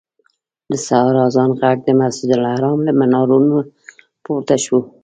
د سهار اذان غږ د مسجدالحرام له منارونو پورته شو.